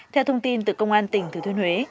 theo thông tin từ công an tỉnh thừa thuyên huế